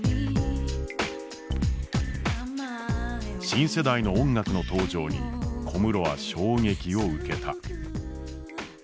新世代の音楽の登場に小室は衝撃を受けた。